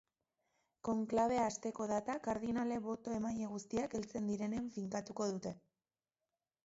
Konklabea hasteko data kardinale boto-emaile guztiak heltzen direnean finkatuko dute.